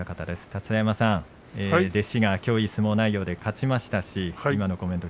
立田山さん、弟子がいい相撲内容で勝ちました。